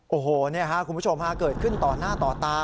โอ้โหคุณผู้ชมหากเกิดขึ้นตอนหน้าต่อตา